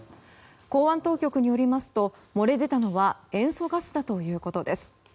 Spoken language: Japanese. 港湾当局によりますと漏れ出たのは塩素ガスだということです。